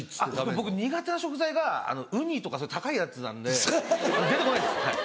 僕苦手な食材がウニとかそういう高いやつなんで出て来ないです。